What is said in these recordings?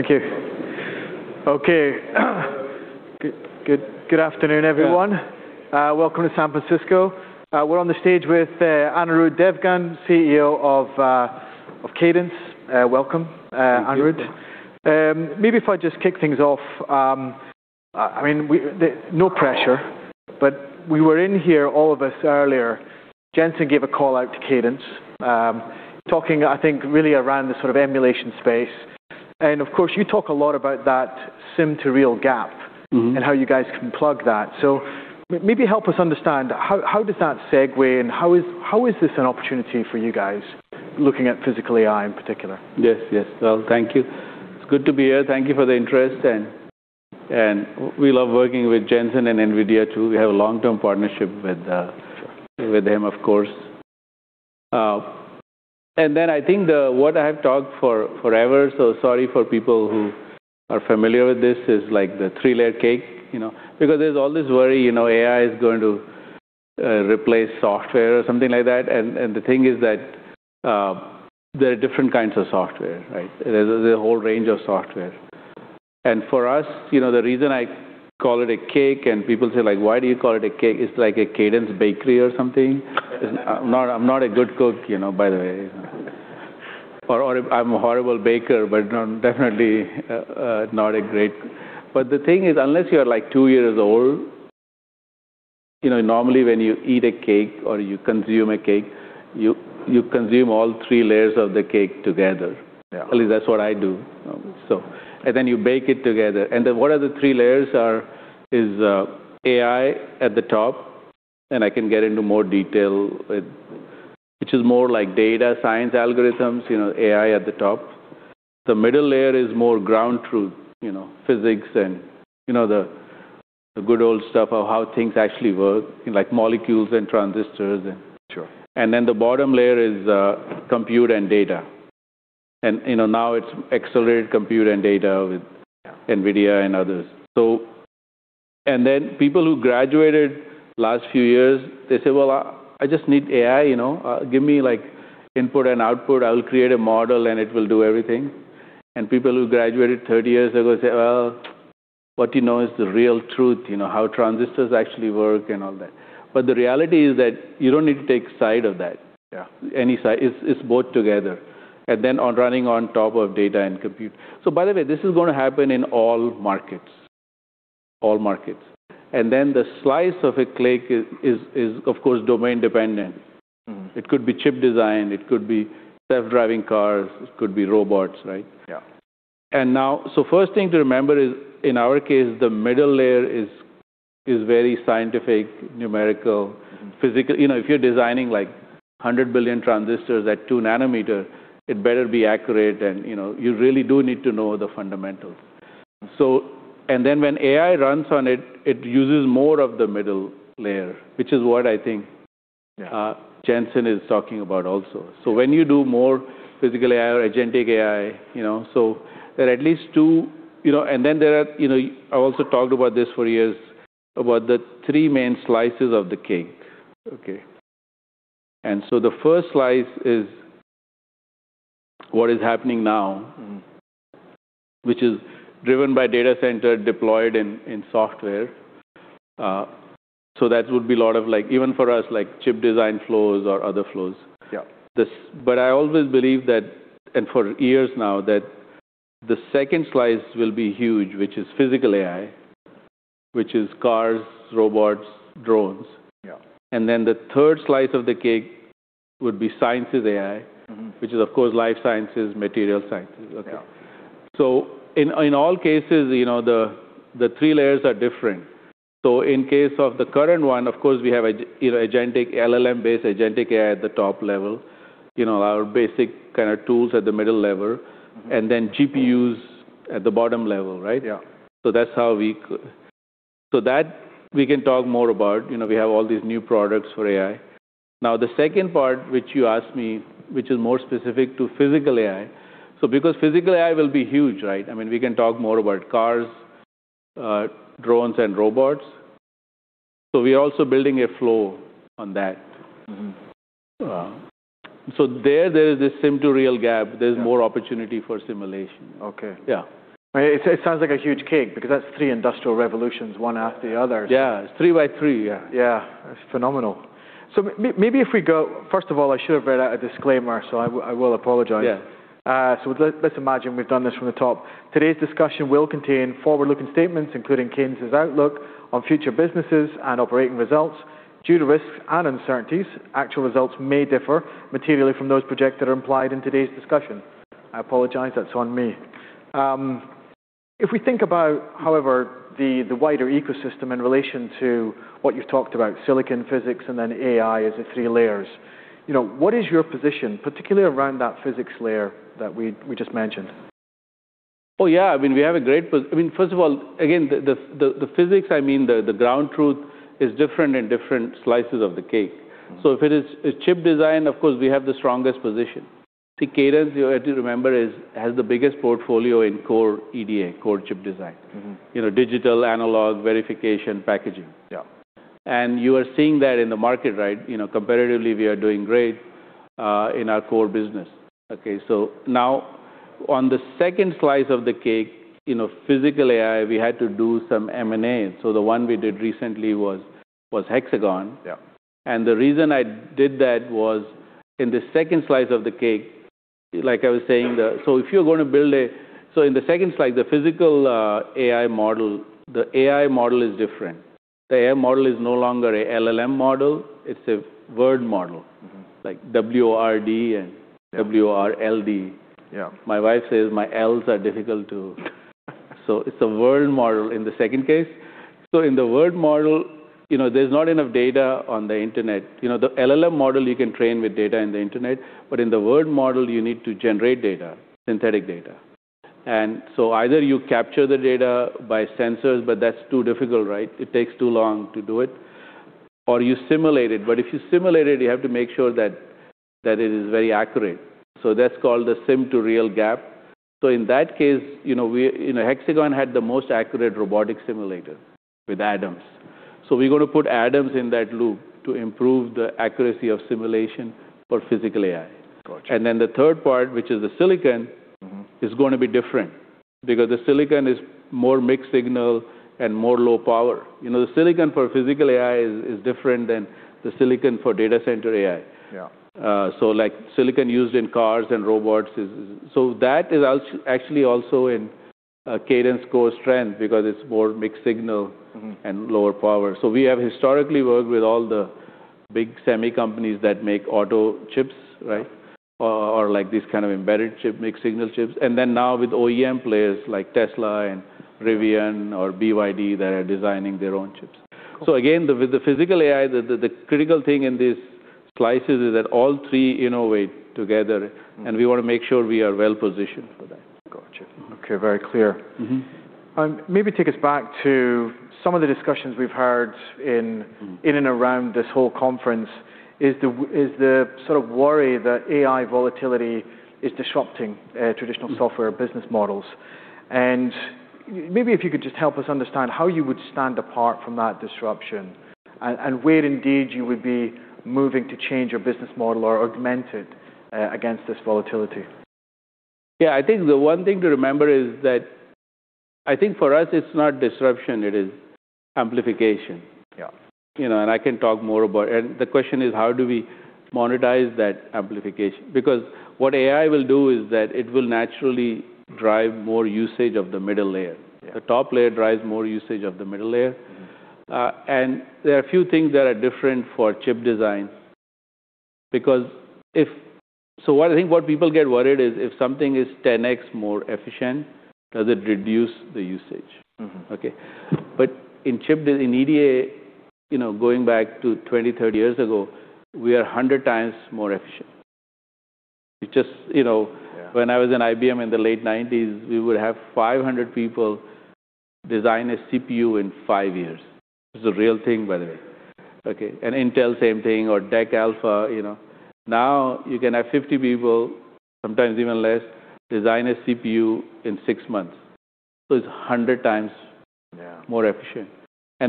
Thank you. Okay. Good afternoon, everyone. Yeah. Welcome to San Francisco. We're on the stage with Anirudh Devgan, CEO of Cadence. Welcome, Anirudh. Thank you. Maybe if I just kick things off, I mean, no pressure, but we were in here, all of us earlier. Jensen gave a call out to Cadence, talking, I think, really around the sort of emulation space. Of course, you talk a lot about that sim-to-real gap. Mm-hmm. How you guys can plug that. Maybe help us understand how does that segue, and how is this an opportunity for you guys, looking at Physical AI in particular? Yes. Yes. Well, thank you. It's good to be here. Thank you for the interest and we love working with Jensen and NVIDIA too. We have a long-term partnership with them, of course. I think what I have talked for forever, so sorry for people who are familiar with this, is like the three-layer cake, you know. There's all this worry, you know, AI is going to replace software or something like that. The thing is that there are different kinds of software, right? There's a whole range of software. For us, you know, the reason I call it a cake and people say like, "Why do you call it a cake?" It's like a Cadence bakery or something. I'm not a good cook, you know, by the way. I'm a horrible baker, no, definitely, not a great... The thing is, unless you are like two years old, you know, normally when you eat a cake or you consume a cake, you consume all three layers of the cake together. Yeah. At least that's what I do. You bake it together. What are the three layers are is AI at the top, I can get into more detail which is more like data science algorithms, you know, AI at the top. The middle layer is more ground truth, you know, physics and, you know, the good old stuff of how things actually work, like molecules and transistors. Sure. Then the bottom layer is, compute and data. You know, now it's accelerated compute and data. Yeah. NVIDIA and others. Then people who graduated last few years, they say, "Well, I just need AI, you know, give me like input and output. I will create a model, and it will do everything." People who graduated 30 years ago say, "Well, what you know is the real truth, you know, how transistors actually work and all that." The reality is that you don't need to take side of that. Yeah. Any side. It's both together. running on top of data and compute. By the way, this is gonna happen in all markets. All markets. The slice of a cake is of course, domain-dependent. Mm-hmm. It could be chip design, it could be self-driving cars, it could be robots, right? Yeah. First thing to remember is in our case, the middle layer is very scientific, numerical, physical. You know, if you're designing like 100 billion transistors at 2 nm, it better be accurate and, you know, you really do need to know the fundamentals. Then when AI runs on it uses more of the middle layer, which is what I think. Yeah. Jensen is talking about also. Yeah. When you do more physical AI or agentic AI, you know, so there are at least two. Then there are. I've also talked about this for years, about the three main slices of the cake. Okay. The first slice is what is happening now. Mm-hmm. which is driven by data center deployed in software. That would be a lot of like even for us, like chip design flows or other flows. Yeah. I always believe that, and for years now, that the second slice will be huge, which is Physical AI, which is cars, robots, drones. Yeah. The third slice of the cake would be sciences AI- Mm-hmm. -which is of course life sciences, material sciences. Yeah. In all cases, you know, the three layers are different. In case of the current one, of course, we have a, you know, LLM-based agentic AI at the top level. You know, our basic kinda tools at the middle level. Mm-hmm. GPUs at the bottom level, right? Yeah. That we can talk more about, you know, we have all these new products for AI. The second part which you asked me, which is more specific to Physical AI. Because Physical AI will be huge, right? I mean, we can talk more about cars, drones, and robots. We are also building a flow on that. Wow. There is this sim-to-real gap. Yeah. There's more opportunity for simulation. Okay. Yeah. I mean, it sounds like a huge cake because that's three industrial revolutions, one after the other. Yeah. It's three by three. Yeah. Yeah. It's phenomenal. First of all, I should have read out a disclaimer, so I will apologize. Yeah. Let's imagine we've done this from the top. Today's discussion will contain forward-looking statements, including Cadence's outlook on future businesses and operating results. Due to risks and uncertainties, actual results may differ materially from those projected or implied in today's discussion. I apologize, that's on me. If we think about, however, the wider ecosystem in relation to what you've talked about, silicon physics and then AI as the three layers, you know, what is your position, particularly around that physics layer that we just mentioned? Oh, yeah. I mean, we have a great I mean, first of all, again, the physics, I mean, the ground truth is different in different slices of the cake. Mm-hmm. If it is chip design, of course, we have the strongest position. Cadence, you have to remember, has the biggest portfolio in core EDA, core chip design. Mm-hmm. You know, digital analog verification packaging. Yeah. You are seeing that in the market, right? You know, comparatively, we are doing great. In our core business. Now on the second slice of the cake, you know, Physical AI, we had to do some M&A. The one we did recently was Hexagon. Yeah. The reason I did that was in the second slice of the cake, like I was saying, in the second slide, the Physical AI model, the AI model is different. The AI model is no longer a LLM model, it's a world model. Mm-hmm. Like W-O-R-D and W-O-R-L-D. Yeah. My wife says my Ls are difficult to... It's a world model in the second case. In the world model, you know, there's not enough data on the internet. You know, the LLM model you can train with data in the internet, but in the world model you need to generate data, synthetic data. Either you capture the data by sensors, but that's too difficult, right? It takes too long to do it. You simulate it, but if you simulate it, you have to make sure that it is very accurate. That's called the sim-to-real gap. In that case, you know, Hexagon had the most accurate robotic simulator with Adams. We're gonna put Adams in that loop to improve the accuracy of simulation for Physical AI. Gotcha. The third part, which is the silicon-. Mm-hmm... is gonna be different because the silicon is more mixed-signal and more low power. You know, the silicon for Physical AI is different than the silicon for data center AI. Yeah. Like silicon used in cars and robots is. That is actually also in Cadence's core strength because it's more mixed-signal. Mm-hmm We have historically worked with all the big semi companies that make auto chips, right? Or like these kind of embedded chip, mixed-signal chips. Now with OEM players like Tesla and Rivian or BYD that are designing their own chips. Cool. The, with the Physical AI, the critical thing in these slices is that all three innovate together, and we wanna make sure we are well positioned for that. Gotcha. Okay. Very clear. Mm-hmm. Maybe take us back to some of the discussions we've heard in. Mm-hmm And around this whole conference is the sort of worry that AI volatility is disrupting traditional software business models. Maybe if you could just help us understand how you would stand apart from that disruption and where indeed you would be moving to change your business model or augment it against this volatility. Yeah. I think the one thing to remember is that I think for us it's not disruption, it is amplification. Yeah. You know, the question is how do we monetize that amplification? What AI will do is that it will naturally drive more usage of the middle layer. Yeah. The top layer drives more usage of the middle layer. Mm-hmm. There are a few things that are different for chip design because what I think what people get worried is if something is 10x more efficient, does it reduce the usage? Mm-hmm. Okay. In EDA, you know, going back to 20, 30 years ago, we are 100 times more efficient. It just, you know- Yeah... when I was in IBM in the late nineties, we would have 500 people design a CPU in 5 years. It's a real thing, by the way. Okay. Intel, same thing, or DEC Alpha, you know. Now you can have 50 people, sometimes even less, design a CPU in 6 months. It's a 100 times- Yeah... more efficient.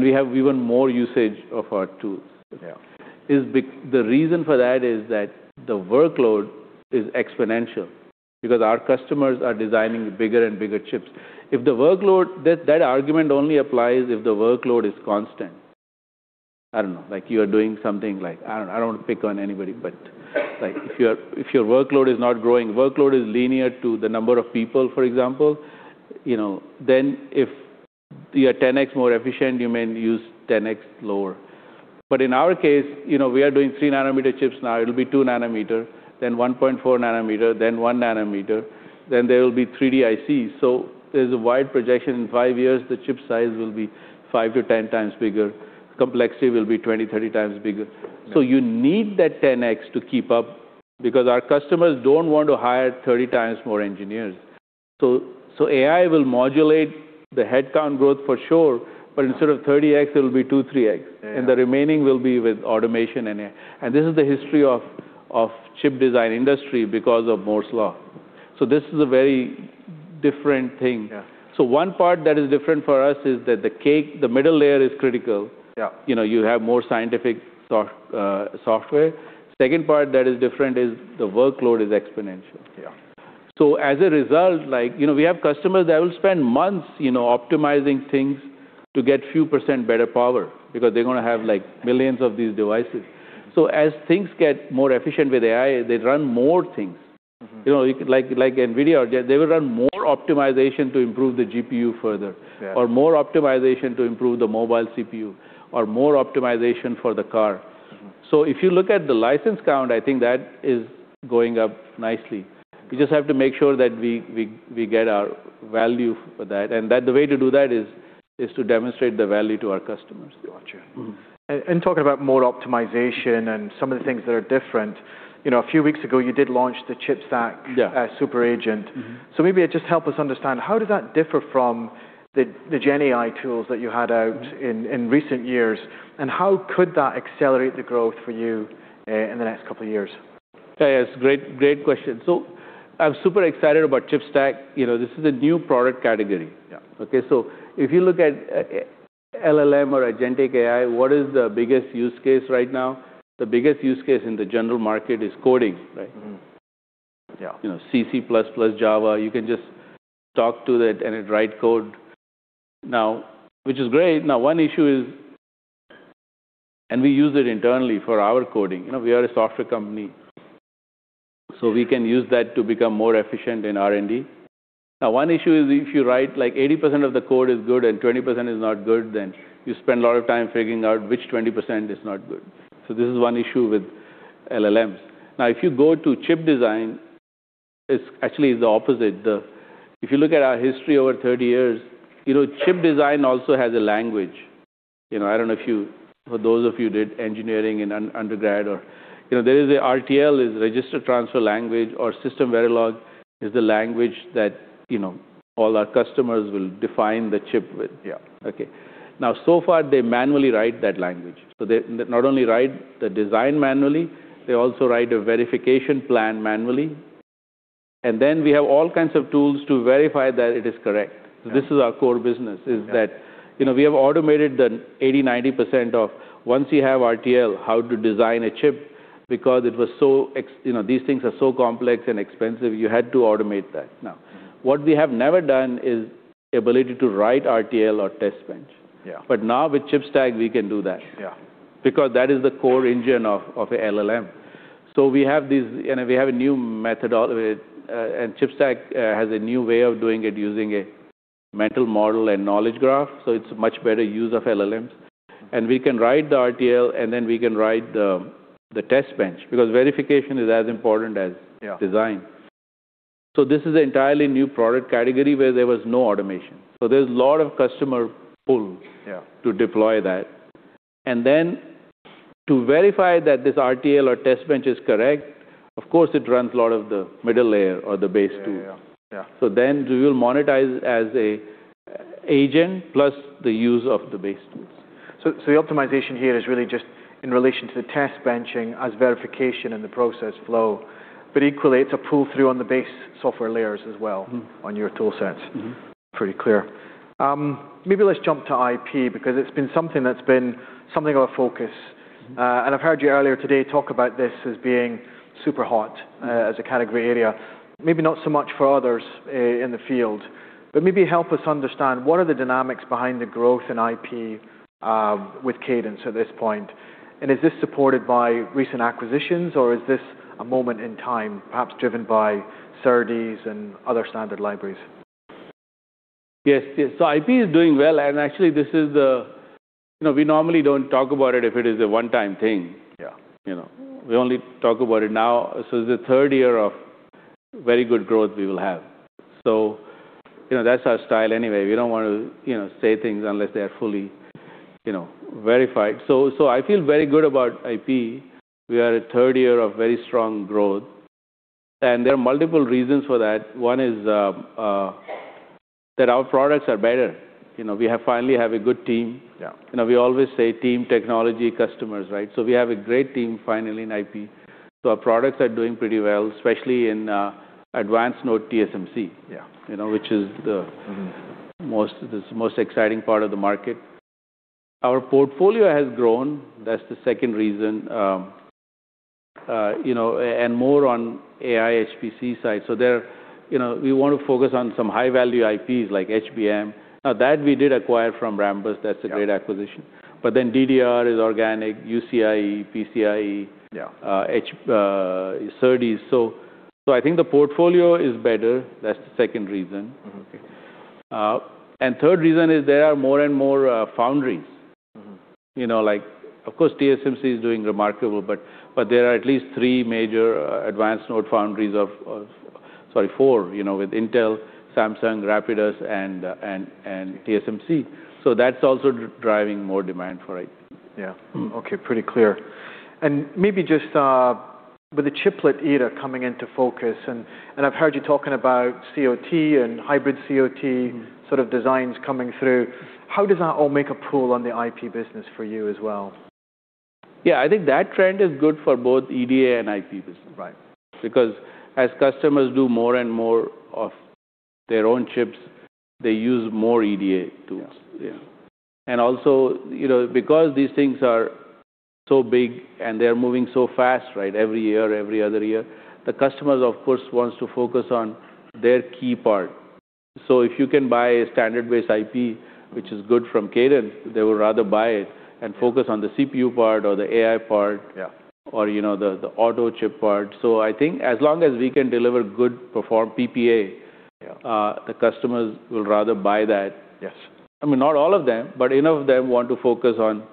We have even more usage of our tools. Yeah. The reason for that is that the workload is exponential because our customers are designing bigger and bigger chips. That argument only applies if the workload is constant. I don't know, like you are doing something. I don't wanna pick on anybody, but, like, if your workload is not growing, workload is linear to the number of people, for example, you know, then if you are 10x more efficient, you may use 10x lower. In our case, you know, we are doing 3 nm chips now. It'll be 2 nm, then 1.4 nm, then 1 nm, then there will be 3D IC. There's a wide projection. In five years, the chip size will be five-10 times bigger. Complexity will be 20, 30 times bigger. Yeah. You need that 10x to keep up because our customers don't want to hire 30 times more engineers. AI will modulate the headcount growth for sure, but instead of 30x, it'll be 2-3x. Yeah. The remaining will be with automation and AI. This is the history of chip design industry because of Moore's Law. This is a very different thing. Yeah. One part that is different for us is that the cake, the middle layer is critical. Yeah. You know, you have more scientific software. Second part that is different is the workload is exponential. Yeah. As a result, like, you know, we have customers that will spend months, you know, optimizing things to get few % better power because they're gonna have, like, millions of these devices. As things get more efficient with AI, they run more things. Mm-hmm. You know, like NVIDIA, they will run more optimization to improve the GPU further. Yeah. More optimization to improve the mobile CPU, or more optimization for the car. Mm-hmm. If you look at the license count, I think that is going up nicely. We just have to make sure that we get our value for that. That the way to do that is to demonstrate the value to our customers. Gotcha. Talking about more optimization and some of the things that are different, you know, a few weeks ago, you did launch the ChipStack. Yeah Super Agent. Mm-hmm. Maybe just help us understand how did that differ from the GenAI tools that you had out? Mm-hmm In recent years, and how could that accelerate the growth for you, in the next couple of years? Yeah, it's great question. I'm super excited about ChipStack. You know, this is a new product category. Yeah. Okay. If you look at, LLM or agentic AI, what is the biggest use case right now? The biggest use case in the general market is coding, right? Yeah. You know, CC plus plus Java, you can just talk to it and it write code. Which is great. One issue is. And we use it internally for our coding. You know, we are a software company, so we can use that to become more efficient in R&D. One issue is if you write like 80% of the code is good and 20% is not good, then you spend a lot of time figuring out which 20% is not good. This is one issue with LLMs. If you go to chip design, it's actually the opposite. If you look at our history over 30 years, you know, chip design also has a language. You know, I don't know if you, for those of you did engineering in undergrad or... You know, there is a RTL is register transfer language or SystemVerilog is the language that, you know, all our customers will define the chip with. Yeah. Okay. So far, they manually write that language. They not only write the design manually, they also write a verification plan manually. We have all kinds of tools to verify that it is correct. This is our core business, is that, you know, we have automated the 80%-90% of once you have RTL how to design a chip, because it was so, you know, these things are so complex and expensive, you had to automate that. What we have never done is ability to write RTL or test bench. Yeah. Now with ChipStack, we can do that. Yeah. Because that is the core engine of a LLM. We have these, you know, we have a new methodology and ChipStack has a new way of doing it using a mental model and knowledge graph. It's much better use of LLMs. We can write the RTL, and then we can write the test bench, because verification is as important. Yeah This is an entirely new product category where there was no automation. There's a lot of customer- Yeah... to deploy that. To verify that this RTL or test bench is correct, of course, it runs a lot of the middle layer or the base too. Yeah. Yeah. We will monetize as a agent plus the use of the base tools. The optimization here is really just in relation to the test benching as verification in the process flow. Equally, it's a pull-through on the base software layers as well- Mm-hmm... on your tool sets. Mm-hmm. Pretty clear. Maybe let's jump to IP because it's been something that's been something of a focus. I've heard you earlier today talk about this as being super hot as a category area. Maybe not so much for others in the field, but maybe help us understand what are the dynamics behind the growth in IP with Cadence at this point? Is this supported by recent acquisitions, or is this a moment in time, perhaps driven by SerDes and other standard libraries? Yes, yes. IP is doing well, and actually this is the, you know, we normally don't talk about it if it is a one-time thing. Yeah. You know, we only talk about it now. It's the third year of very good growth we will have. You know, that's our style anyway. We don't want to, you know, say things unless they are fully, you know, verified. I feel very good about IP. We are at third year of very strong growth, and there are multiple reasons for that. One is that our products are better. You know, we have finally have a good team. Yeah. You know, we always say team, technology, customers, right? We have a great team finally in IP. Our products are doing pretty well, especially in advanced node TSMC. Yeah. You know, which is- Mm-hmm... the most exciting part of the market. Our portfolio has grown. That's the second reason, you know, and more on AI HPC side. There, you know, we want to focus on some high-value IPs like HBM. Now that we did acquire from Rambus, that's a great acquisition. DDR is organic, UCI, PCIe. Yeah SerDes. I think the portfolio is better. That's the second reason. Mm-hmm. Okay. third reason is there are more and more foundries. Mm-hmm. You know, like, of course, TSMC is doing remarkable, but there are at least three major advanced node foundries sorry, four, you know, with Intel, Samsung, Rapidus, and TSMC. That's also driving more demand for IP. Yeah. Mm-hmm. Okay. Pretty clear. Maybe just with the chiplet era coming into focus, and I've heard you talking about CoT and hybrid CoT sort of designs coming through, how does that all make a pull on the IP business for you as well? Yeah, I think that trend is good for both EDA and IP business. Right. As customers do more and more of their own chips, they use more EDA tools. Yeah. Yeah. Also, you know, because these things are so big and they're moving so fast, right? Every year, every other year, the customers, of course, wants to focus on their key part. If you can buy a standard-based IP, which is good from Cadence, they would rather buy it and focus on the CPU part or the AI part. Yeah you know, the auto chip part. I think as long as we can deliver good perform PPA- Yeah... the customers will rather buy that. Yes. I mean, not all of them, but enough of them want to focus on.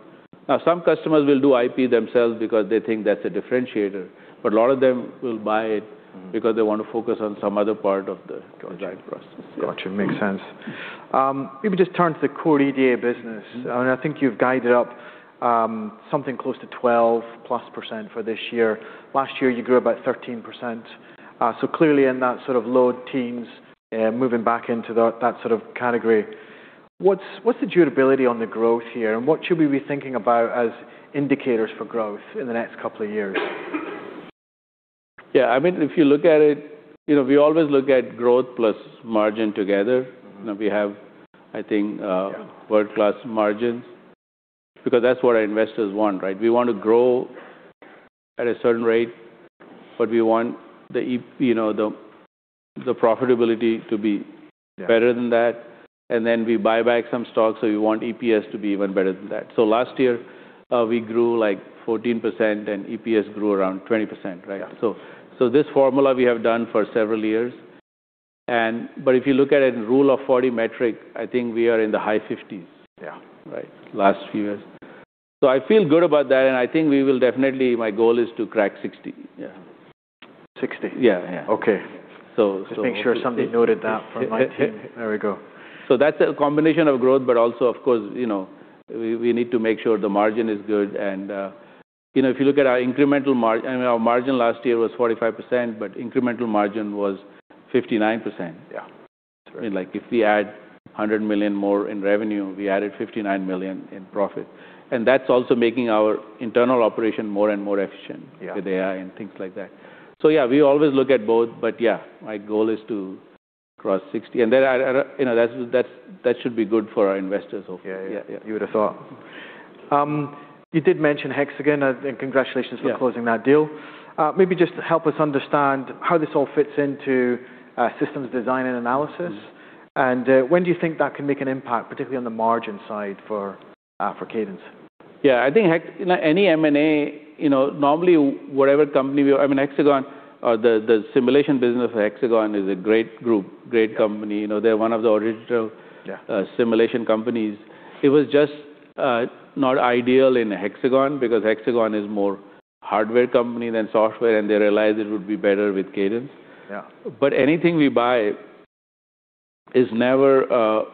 Now, some customers will do IP themselves because they think that's a differentiator, but a lot of them will buy it- Mm-hmm. because they want to focus on some other part of the design process. Gotcha. Makes sense. If we just turn to the core EDA business, I think you've guided up something close to 12+% for this year. Last year, you grew about 13%. Clearly in that sort of low teens, moving back into that sort of category. What's the durability on the growth here, and what should we be thinking about as indicators for growth in the next couple of years? Yeah, I mean, if you look at it, you know, we always look at growth plus margin together. Mm-hmm. You know, we have, I think- Yeah... world-class margins because that's what our investors want, right? We want to grow at a certain rate, but we want you know, the profitability to be- Yeah... better than that, and then we buy back some stocks, so we want EPS to be even better than that. Last year, we grew, like, 14%, and EPS grew around 20%, right? Yeah. This formula we have done for several years. If you look at it in Rule of 40 metric, I think we are in the high fifties. Yeah. Right? Last few years. I feel good about that, and I think we will definitely. My goal is to crack 60. Yeah. 60. Yeah, yeah. Okay. So, so- Just making sure somebody noted that for my team. There we go. That's a combination of growth, but also, of course, you know, we need to make sure the margin is good and, you know, if you look at our incremental I mean, our margin last year was 45%, but incremental margin was 59%. Yeah. That's right. I mean, like, if we add $100 million more in revenue, we added $59 million in profit. That's also making our internal operation more and more efficient- Yeah... with AI and things like that. Yeah, we always look at both, but yeah, my goal is to cross 60. Then I, you know, that's, that should be good for our investors also. Yeah. Yeah, yeah. You would have thought. You did mention Hexagon, and congratulations for closing that deal. Yeah. Maybe just help us understand how this all fits into systems design and analysis. Mm-hmm. When do you think that can make an impact, particularly on the margin side for Cadence? Yeah. I think You know, any M&A, you know, normally whatever company I mean, Hexagon, the simulation business for Hexagon is a great group, great company. You know, they're one of the- Yeah... simulation companies. It was just not ideal in Hexagon because Hexagon is more hardware company than software, and they realized it would be better with Cadence. Yeah. Anything we buy is never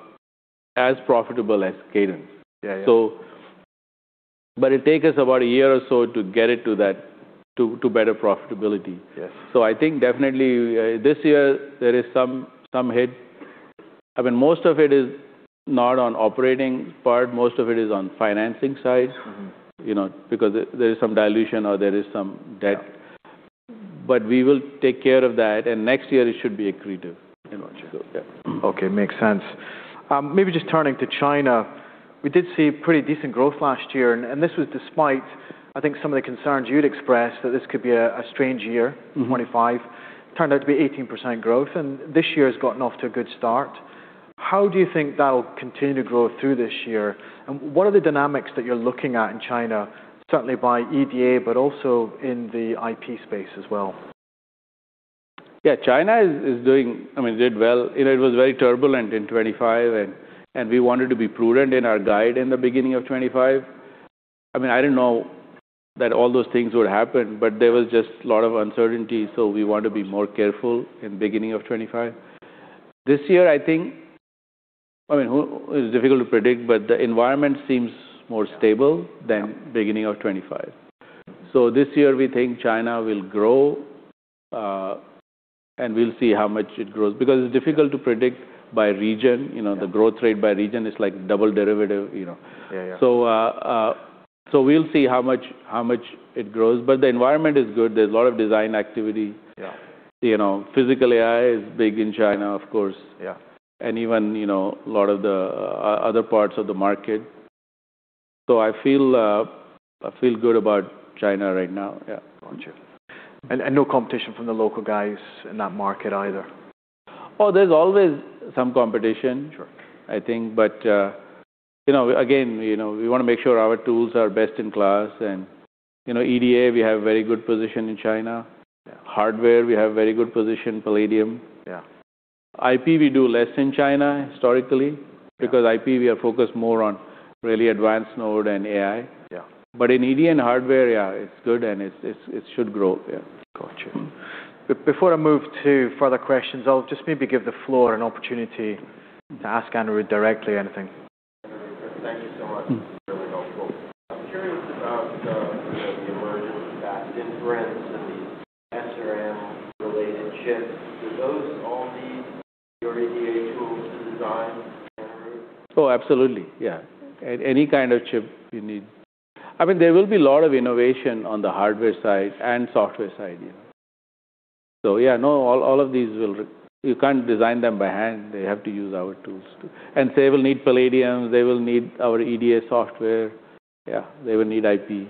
as profitable as Cadence. Yeah, yeah. It takes us about a year or so to get it to better profitability. Yes. I think definitely, this year there is some hit. I mean, most of it is not on operating part. Most of it is on financing side. Mm-hmm. You know, there is some dilution or there is some debt. Yeah. We will take care of that, and next year it should be accretive. Gotcha. Yeah. Okay, makes sense. Maybe just turning to China, we did see pretty decent growth last year, and this was despite, I think, some of the concerns you'd expressed that this could be a strange year. Mm-hmm. 25 turned out to be 18% growth, and this year's gotten off to a good start. How do you think that'll continue to grow through this year? What are the dynamics that you're looking at in China, certainly by EDA, but also in the IP space as well? Yeah. China, I mean, did well. You know, it was very turbulent in 2025 and we wanted to be prudent in our guide in the beginning of 2025. I mean, I didn't know that all those things would happen, but there was just a lot of uncertainty, so we want to be more careful in beginning of 2025. This year, I think, I mean, it's difficult to predict, but the environment seems more stable than beginning of 2025. This year we think China will grow and we'll see how much it grows because it's difficult to predict by region. You know- Yeah... the growth rate by region is like double derivative, you know? Yeah, yeah. We'll see how much it grows, but the environment is good. There's a lot of design activity. Yeah. You know, Physical AI is big in China, of course. Yeah. Even, you know, a lot of the other parts of the market. I feel good about China right now. Yeah. Gotcha. No competition from the local guys in that market either? Oh, there's always some competition. Sure. I think. You know, again, you know, we wanna make sure our tools are best in class and, you know, EDA, we have very good position in China. Yeah. Hardware, we have very good position, Palladium. Yeah. IP, we do less in China historically- Yeah... because IP, we are focused more on really advanced node and AI. Yeah. In EDA and hardware, yeah, it's good, and it should grow. Yeah. Gotcha. Mm-hmm. Before I move to further questions, I'll just maybe give the floor an opportunity to ask Anirudh directly anything. Thank you so much. This is really helpful. I'm curious about, you know, the emergence of that inference and these SRAM related chips. Do those all need your EDA tools to design, Anirudh? Oh, absolutely. Yeah. Any kind of chip you need. I mean, there will be a lot of innovation on the hardware side and software side, you know. Yeah, no, all of these you can't design them by hand. They have to use our tools. They will need Palladium, they will need our EDA software. Yeah. They will need IP.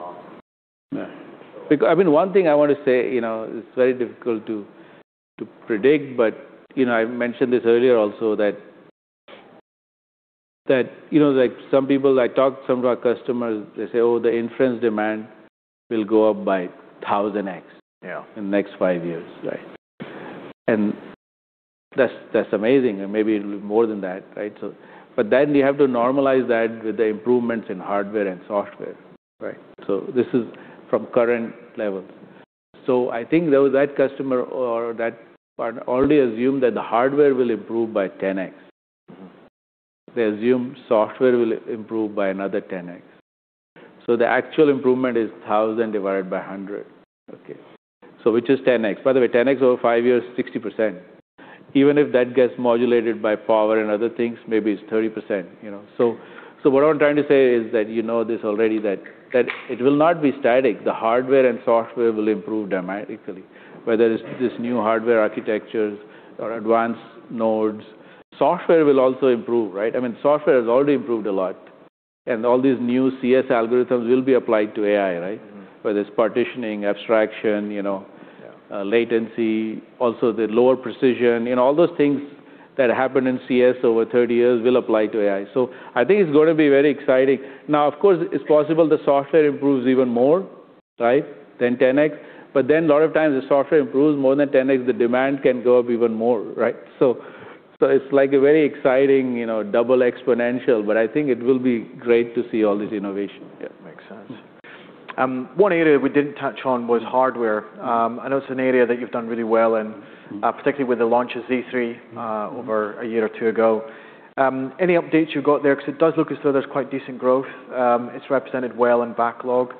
Awesome. Yeah. I mean, one thing I want to say, you know, it's very difficult to predict, but, you know, I mentioned this earlier also, that, you know, like some people I talk, some of our customers, they say, "Oh, the inference demand will go up by 1,000x- Yeah... in the next five years." Right? That's, that's amazing. Maybe it'll be more than that, right? But then you have to normalize that with the improvements in hardware and software, right? This is from current levels. I think there was that customer or that partner already assumed that the hardware will improve by 10x. Mm-hmm. They assume software will improve by another 10x. The actual improvement is 1,000 divided by 100. Okay. Which is 10x. By the way, 10x over five years, 60%. Even if that gets modulated by power and other things, maybe it's 30%, you know. What I'm trying to say is that you know this already that it will not be static. The hardware and software will improve dramatically. Mm-hmm. Whether it's this new hardware architectures or advanced nodes. Software will also improve, right? I mean, software has already improved a lot. All these new CS algorithms will be applied to AI, right? Mm-hmm. Whether it's partitioning, abstraction, you know... Yeah latency, also the lower precision. You know, all those things that happened in CS over 30 years will apply to AI. I think it's gonna be very exciting. Now, of course, it's possible the software improves even more, right, than 10X. A lot of times the software improves more than 10X, the demand can go up even more, right? It's like a very exciting, you know, double exponential, but I think it will be great to see all this innovation. Yeah, makes sense. One area we didn't touch on was hardware. I know it's an area that you've done really well- Mm-hmm... paticularly with the launch of Z3 over a year or two ago. Any updates you've got there? It does look as though there's quite decent growth. It's represented well in backlog.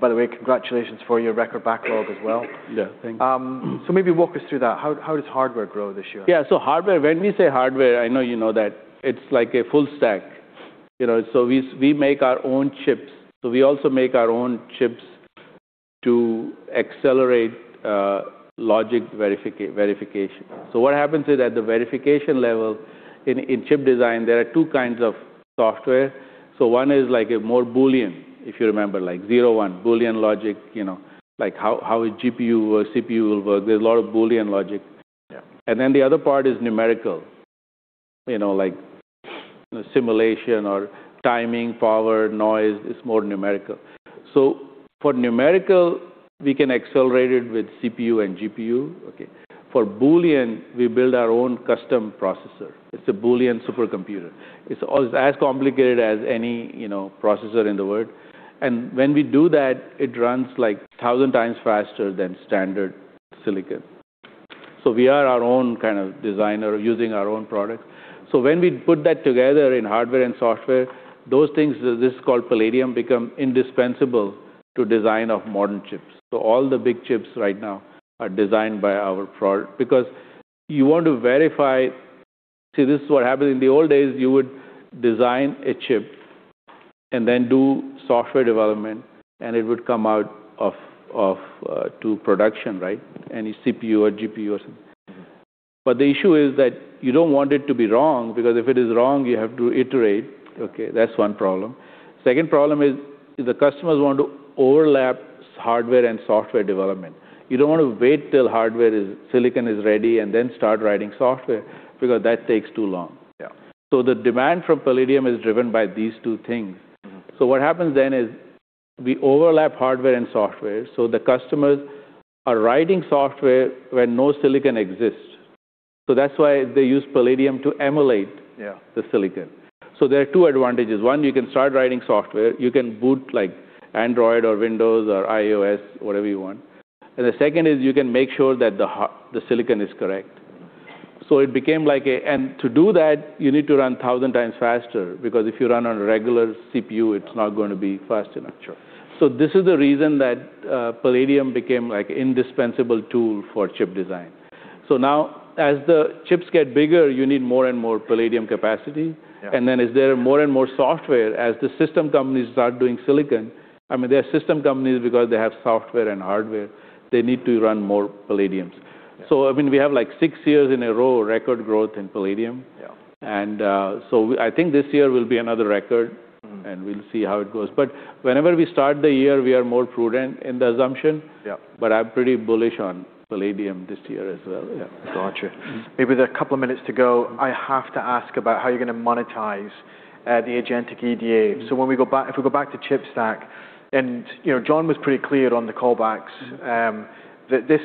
By the way, congratulations for your record backlog as well. Yeah, thank you. Maybe walk us through that. How does hardware grow this year? Yeah. Hardware, when we say hardware, I know you know that it's like a full stack. You know, we make our own chips. We also make our own chips to accelerate logic verification. What happens is at the verification level in chip design, there are two kinds of software. One is like a more Boolean, if you remember, like zero one, Boolean logic, you know. Like how a GPU or CPU will work. There's a lot of Boolean logic. Yeah. The other part is numerical. You know, like simulation or timing, power, noise. It's more numerical. For numerical, we can accelerate it with CPU and GPU. Okay. For Boolean, we build our own custom processor. It's a Boolean supercomputer. It's as complicated as any, you know, processor in the world. When we do that, it runs like 1,000 times faster than standard silicon. We are our own kind of designer using our own products. When we put that together in hardware and software, those things, this is called Palladium, become indispensable to design of modern chips. All the big chips right now are designed by our product. You want to verify. See, this is what happened. In the old days, you would design a chip and then do software development, and it would come out of to production, right? Any CPU or GPU or something. Mm-hmm. The issue is that you don't want it to be wrong, because if it is wrong, you have to iterate. Okay. That's one problem. Second problem is the customers want to overlap hardware and software development. You don't wanna wait till hardware is, silicon is ready and then start writing software because that takes too long. Yeah. The demand from Palladium is driven by these two things. Mm-hmm. What happens then is we overlap hardware and software, so the customers are writing software where no silicon exists. That's why they use Palladium to emulate- Yeah... the silicon. There are two advantages. One, you can start writing software. You can boot like Android or Windows or iOS, whatever you want. The second is you can make sure that the silicon is correct. Mm-hmm. It became like And to do that, you need to run 1,000 times faster because if you run on a regular CPU, it's not gonna be fast enough. Sure. This is the reason that Palladium became like indispensable tool for chip design. Now as the chips get bigger, you need more and more Palladium capacity. Yeah. Then as there are more and more software, as the system companies start doing silicon, I mean, they are system companies because they have software and hardware, they need to run more Palladiums. Yeah. I mean, we have like six years in a row record growth in Palladium. Yeah. I think this year will be another record. Mm-hmm. We'll see how it goes. Whenever we start the year, we are more prudent in the assumption. Yeah. I'm pretty bullish on Palladium this year as well. Yeah. Gotcha. Maybe with a couple of minutes to go, I have to ask about how you're gonna monetize the agentic EDA. Mm-hmm. When we go back to ChipStack, and, you know, John was pretty clear on the callbacks, that this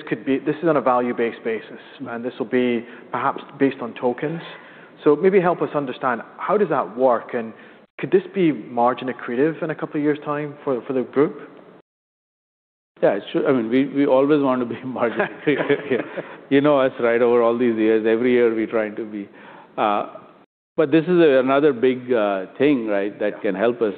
is on a value-based basis. Mm-hmm. This will be perhaps based on tokens. Maybe help us understand how does that work, and could this be margin accretive in a couple years' time for the group? Yeah. I mean, we always want to be margin accretive. You know us, right? Over all these years, every year we're trying to be. This is another big thing, right, that can help us.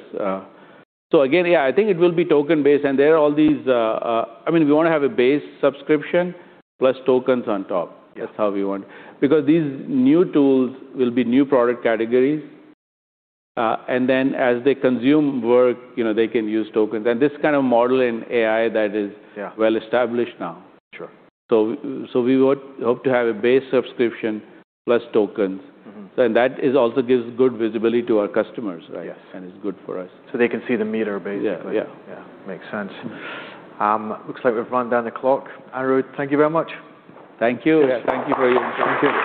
Again, yeah, I think it will be token-based. There are all these... I mean, we wanna have a base subscription plus tokens on top. Yeah. That's how we want. These new tools will be new product categories. As they consume work, you know, they can use tokens. This kind of model in AI- Yeah... well established now. Sure. We would hope to have a base subscription plus tokens. Mm-hmm. That is also gives good visibility to our customers, right? Yes. It's good for us. They can see the meter, basically. Yeah. Yeah. Yeah. Makes sense. Looks like we've run down the clock. Anirudh, thank you very much. Thank you. Thank you for your time.